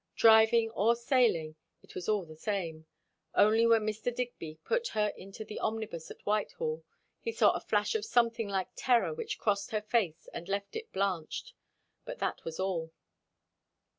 Driving or sailing, it was all the same; only when Mr. Digby put her into the omnibus at Whitehall he saw a flash of something like terror which crossed her face and left it blanched. But that was all.